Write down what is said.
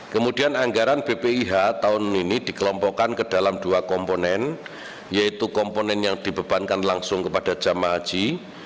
kemudian anggaran bpih tahun ini dikelompokkan ke dalam dua komponen yaitu komponen yang dibebankan langsung kepada jamaah haji